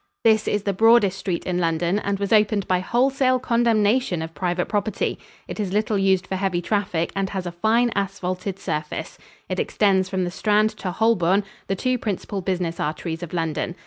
This is the broadest street in London and was opened by wholesale condemnation of private property. It is little used for heavy traffic and has a fine asphalted surface. It extends from the Strand to Holborn, the two principal business arteries of London.